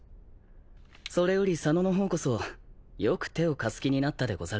それより左之の方こそよく手を貸す気になったでござるな。